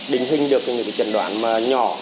đình hình được những trận đoạn nhỏ